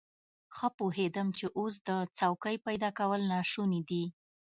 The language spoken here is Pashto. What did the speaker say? ښه پوهېدم چې اوس د څوکۍ پيدا کول ناشوني دي.